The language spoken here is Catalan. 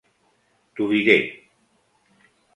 T'ho diré.